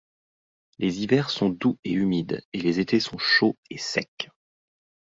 Les hivers sont doux et humides et les étés sont chauds et secs.